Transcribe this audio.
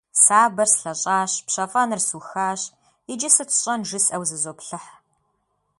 Сабэр слъэщӏащ, пщэфӏэныр сухащ, иджы сыт сщӏэн жысӏэу зызоплъыхь.